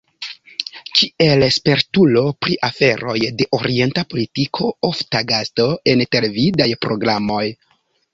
Kiel spertulo pri aferoj de orienta politiko ofta gasto en televidaj programoj.